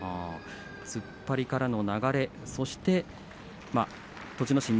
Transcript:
突っ張りからの流れそして、栃ノ